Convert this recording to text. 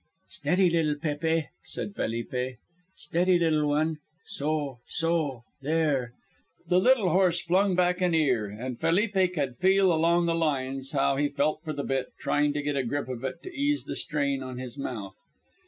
"Steady, little Pépe," said Felipe; "steady, little one. Soh, soh. There." The little horse flung back an ear, and Felipe could feel along the lines how he felt for the bit, trying to get a grip of it to ease the strain on his mouth.